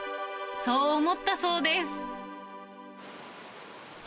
そう思ったそうです。